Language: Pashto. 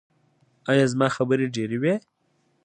ایا زما خبرې ډیرې وې؟